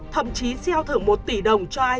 thậm chí xeo thưởng một tỷ đồng cho ai